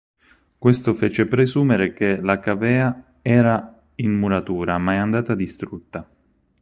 Questo fece presumere che la cavea era in muratura ma è andata distrutta.